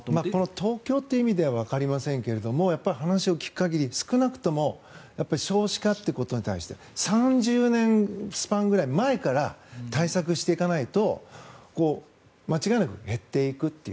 東京という意味ではわかりませんけどもやっぱり話を聞く限り少なくとも少子化ということに対して３０年スパンぐらい前から対策していかないと間違いなく減っていくという。